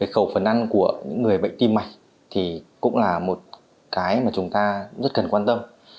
khẩu phần ăn của những người bệnh tim mạch thì cũng là một cái mà chúng ta rất cần quan tâm